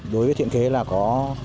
đối với thiện kế là có